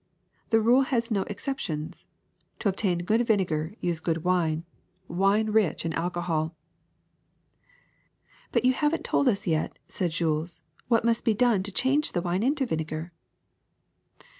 The rule has no excep tions: to obtain good vinegar use good wine, wine rich in alcohol.'' ^'But you have n't told us yet," said Jules, ^'what must be done to change the wine into vinegar."